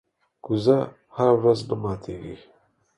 کوزه هره ورځ نه ماتېږي.